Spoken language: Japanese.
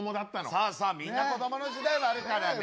そうそうみんな子どもの時代はあるからね。